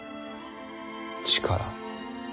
力。